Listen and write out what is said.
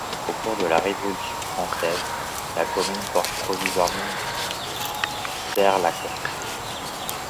Au cours de la Révolution française, la commune porte provisoirement le nom de Serre-la-Coste.